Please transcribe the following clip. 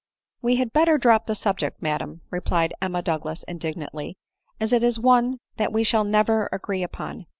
" We had better drop the subject, madam," replied Em ma Douglas indignantly, " as it is one that we shall never agree, upon.